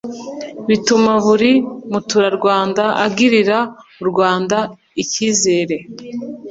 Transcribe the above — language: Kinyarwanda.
bituma buri muturarwanda agirira u rwanda icyizere